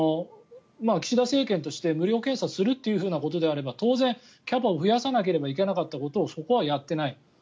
岸田政権として無料検査するということであれば当然、キャパを増やさなければいけなかったことをそこはやっていない。